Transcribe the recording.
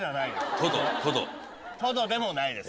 トドでもないです。